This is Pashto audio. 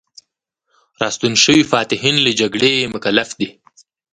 راستون شوي فاتحین له جګړې مکلف دي.